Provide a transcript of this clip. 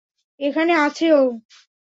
এখানে আছে ও?